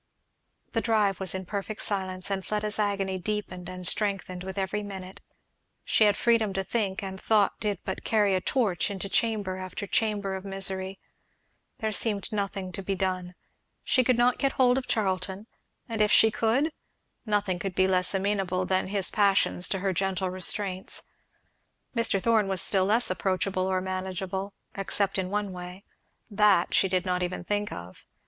The drive was in perfect silence, and Fleda's agony deepened and strengthened with every minute. She had freedom to think, and thought did but carry a torch into chamber after chamber of misery. There seemed nothing to be done. She could not get hold of Charlton; and if she could? Nothing could be less amenable than his passions to her gentle restraints. Mr. Thorn was still less approachable or manageable, except in one way, that she did not even think of.